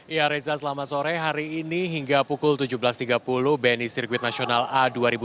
ya reza selamat sore hari ini hingga pukul tujuh belas tiga puluh bni sirkuit nasional a dua ribu dua puluh